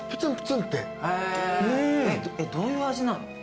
どういう味なの？